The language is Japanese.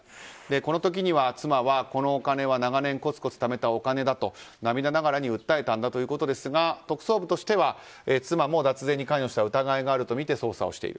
この時には妻はこのお金は長年こつこつためたお金だと涙ながらに訴えたんだということですが特捜部としては妻も脱税に関与した疑いがあるとみて捜査している。